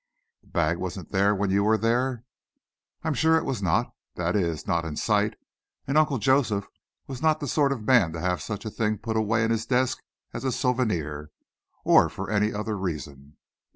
"The bag wasn't there when you were there?" "I'm sure it was not! That is, not in sight, and Uncle Joseph was not the sort of man to have such a thing put away in his desk as a souvenir, or for any other reason."